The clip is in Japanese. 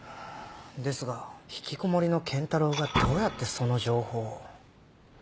ですが引きこもりの賢太郎がどうやってその情報を。